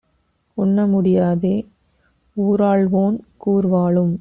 உண்ண முடியாதே ஊராள்வோன் கூர்வாளும்